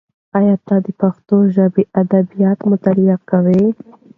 ایا ته د پښتو ژبې ادبیات مطالعه کوې؟